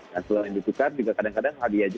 nah selain ditukar juga kadang kadang hadiah juga